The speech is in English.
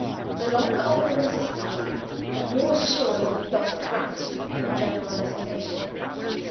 The longer Alban resisted, the more surely he lost ground in the general estimation.